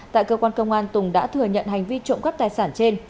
tại cơ quan công an tùng đã thừa nhận hành vi trộm cắp tài sản trên